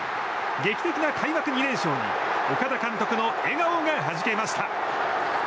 劇的な開幕２連勝で岡田監督の笑顔がはじけました。